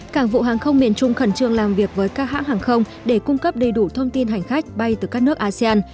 cảng vụ hàng không miền trung khẩn trương làm việc với các hãng hàng không để cung cấp đầy đủ thông tin hành khách bay từ các nước asean